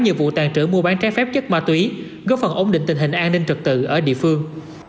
nhiều vụ tàn trữ mua bán trái phép chất ma túy góp phần ổn định tình hình an ninh trật tự ở địa phương